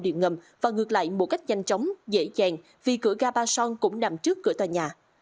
điện ngầm và ngược lại một cách nhanh chóng dễ dàng vì cửa ga ba son cũng nằm trước cửa tòa nhà